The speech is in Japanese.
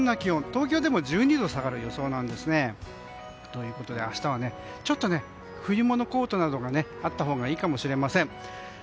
東京でも１２度下がる予想なんですね。ということで、明日はちょっと冬物コートなどがあったほうがいいかもしれません。